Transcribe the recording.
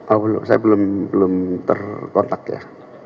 oh belum saya belum terkontak ya